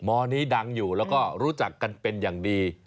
มนี้ดังอยู่แล้วก็รู้จักกันเป็นอย่างดี